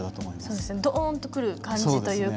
そうですねドーンとくる感じというか。